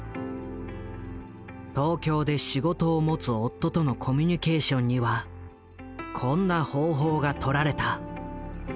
東京で仕事を持つ夫とのコミュニケーションにはこんな方法がとられた。